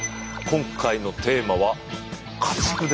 今回のテーマは「家畜」ですね。